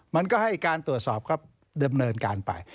มันก็ให้การตรวจสอบก็ดำเนินการไป